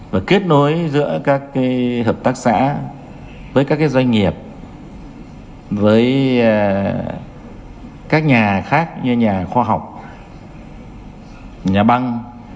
và kết nối giữa các hợp tác xã với các doanh nghiệp với các nhà khác như nhà khoa học nhà băng